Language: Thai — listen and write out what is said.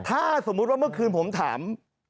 ถ้าสมมุติว่าเมื่อคืนผมถาม